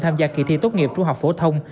tham gia kỳ thi tốt nghiệp trung học phổ thông